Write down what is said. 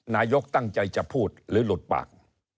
นายกตั้งใจจะพูดหรือหลุดปาก